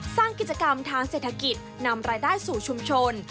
สร้างกิจกรรมทางเศรษฐกิจนำรายได้สู่ชุมชน